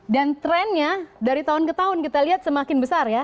dan trendnya dari tahun ke tahun kita lihat semakin besar ya